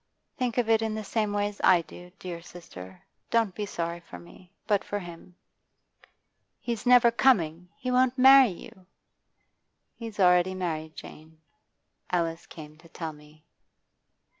Think of it in the same way as I do, dear sister; don't be sorry for me, but for him.' 'He's never coming? He won't marry you?' 'He's already married, Jane. Alice came to tell me.